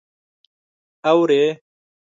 _اورې؟